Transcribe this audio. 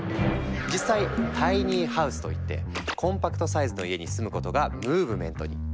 実際「タイニーハウス」といってコンパクトサイズの家に住むことがムーブメントに！